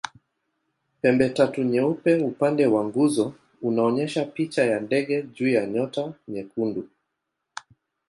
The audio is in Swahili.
Pembetatu nyeupe upande wa nguzo unaonyesha picha ya ndege juu ya nyota nyekundu.